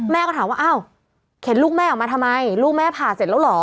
ถามว่าอ้าวเข็นลูกแม่ออกมาทำไมลูกแม่ผ่าเสร็จแล้วเหรอ